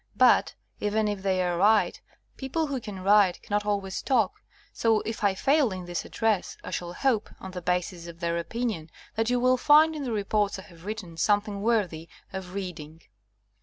But, even if they are right, people who can write cannot always talk, so if I fail in this address, I shall hope, on the basis of their opinion, that you will find in the reports I have written something worthy of read ing.